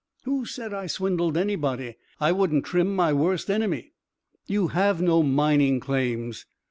Who said I 'swindled' anybody? I wouldn't trim my worst enemy." "You have no mining claims."